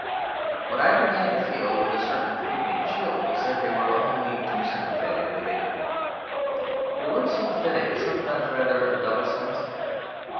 What I began to feel, with a certain creeping chill, was that they were only too sympathetic with England. The word sympathetic has sometimes rather a double sense.